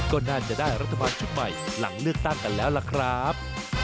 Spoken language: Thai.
ก็น่าจะได้รัฐบาลชุดใหม่หลังเลือกตั้งกันแล้วล่ะครับ